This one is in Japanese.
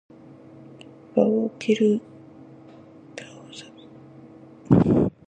バオウ・ザケルガを避けるだと！アホウ・フザケルナ！